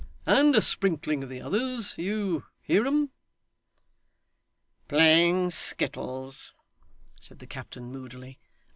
And a sprinkling of the others you hear 'em?' 'Playing skittles!' said the captain moodily.